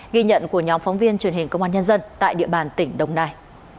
ghi nhận của nhóm phóng viên truyền hình công an nhân dân tại địa bàn tỉnh đồng nai